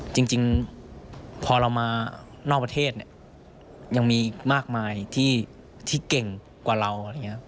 จริงพอเรามานอกประเทศยังมีอีกมากมายที่เก่งกว่าเรา